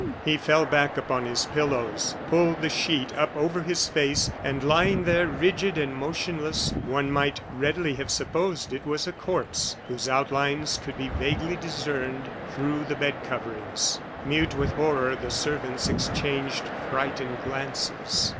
He fell back upon his pillows, pulled the sheet up over his face, and, lying there, rigid and motionless, one might readily have supposed it was a corpse, whose outlines could be vaguely discerned through the bed coverings. Mute with horror, the servants exchanged frightened glances.